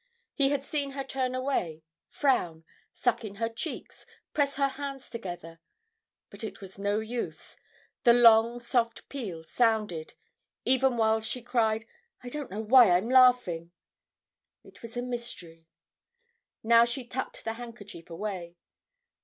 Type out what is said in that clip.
He had seen her turn away, frown, suck in her cheeks, press her hands together. But it was no use. The long, soft peal sounded, even while she cried, "I don't know why I'm laughing." It was a mystery.... Now she tucked the handkerchief away.